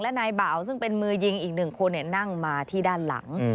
นายบ่าวซึ่งเป็นมือยิงอีกหนึ่งคนนั่งมาที่ด้านหลัง